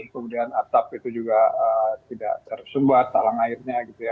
kemudian atap itu juga tidak tersumbat talang airnya gitu ya